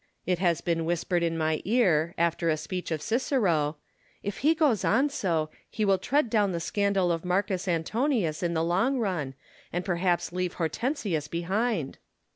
It has been whispered in my ear, after a speech of Cicero, " If he goes on so, he will tread down the sandal of Marcus Antonius in the long run, 276 IMA GIN A R V CONFERS A TIONS. and perhaps leave Hortensius behind."